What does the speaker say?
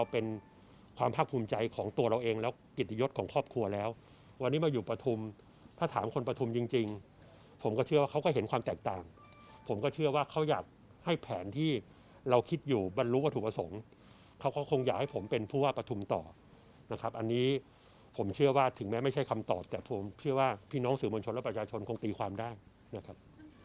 ผมเชื่อว่าเขาก็เห็นความแตกต่างผมก็เชื่อว่าเขาอยากให้แผนที่เราคิดอยู่บรรลุวัตถุประสงค์เขาคงอยากให้ผมเป็นผู้ว่าประทุมต่อนะครับอันนี้ผมเชื่อว่าถึงแม้ไม่ใช่คำตอบแต่ผมเชื่อว่าพี่น้องสื่อมวลชนและประชาชนคงตีความได้นะครับ